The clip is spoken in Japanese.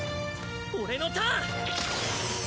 俺のターン！